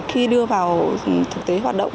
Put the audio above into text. khi đưa vào thực tế hoạt động